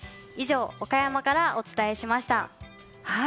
以上、岡山からお伝えしました。